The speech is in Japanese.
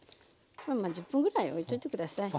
１０分ぐらいおいといて下さい。